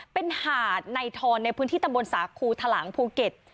เป็นหาดในทอนในพื้นที่ตำบลสาคูทะหลังภูเก็ต